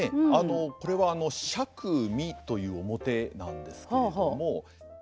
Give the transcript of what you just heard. これは曲見という面なんですけれども。